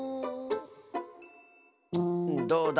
どうだ？